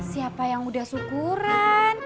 siapa yang udah syukuran